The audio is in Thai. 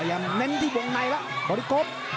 แย่มเน้นที่ตรงในละโดดี่โก๊ค